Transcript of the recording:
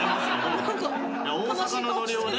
大阪のノリをね